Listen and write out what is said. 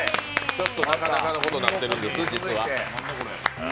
ちょっとなかなかのことになっているんです、実は。